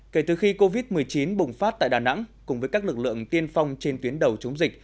kể từ khi covid một mươi chín bùng phát tại đà nẵng cùng với các lực lượng tiên phong trên tuyến đầu chống dịch